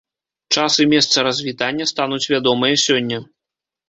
Час і месца развітання стануць вядомыя сёння.